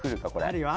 あるよ